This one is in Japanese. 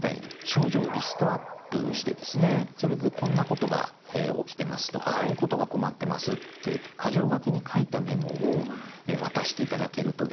症状をリストアップしてそれでこんなことが起きてますとかこういうことが困ってますと箇条書きに書いたメモを渡していただけると。